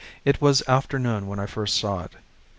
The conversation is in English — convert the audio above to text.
It was afternoon when I first saw it.